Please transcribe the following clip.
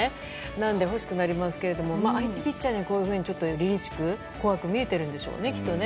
なので、欲しくなりますけども相手ピッチャーにはりりしく怖く見えているんでしょうねきっとね。